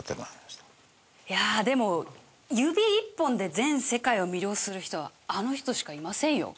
いやでも指一本で全世界を魅了する人はあの人しかいませんよ。